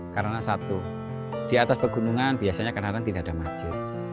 karena satu di atas pegunungan biasanya kadang kadang tidak ada masjid